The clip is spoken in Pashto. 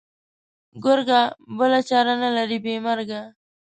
گرگه! بله چاره نه لري بې مرگه.